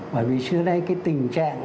bởi vì trước đây cái tình trạng